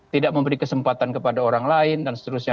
tidak memberi kesempatan kepada orang lain dan seterusnya